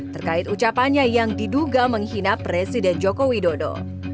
terkait ucapannya yang diduga menghina presiden jokowi dodo